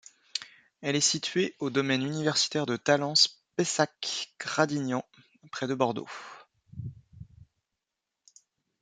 Elle est située au domaine universitaire de Talence Pessac Gradignan, près de Bordeaux.